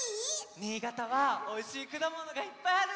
新潟はおいしいくだものがいっぱいあるんだって！